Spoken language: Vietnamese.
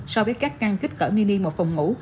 so với các căn kích cỡ mini một phòng ngủ